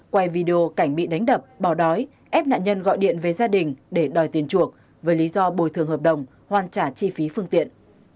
quay video cảnh bị đánh đập bỏ đói ép nạn nhân gọi điện về gia đình để đòi tiền chuộc với lý do bồi thường hợp đồng hoàn trả chi phí phương tiện